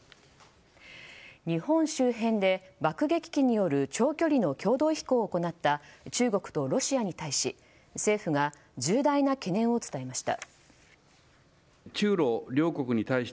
日本周辺で爆撃機による長距離の共同飛行を行った中国とロシアに対し政府が重大な懸念を伝えました。